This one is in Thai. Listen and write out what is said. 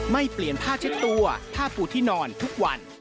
เปลี่ยนผ้าเช็ดตัวผ้าปูที่นอนทุกวัน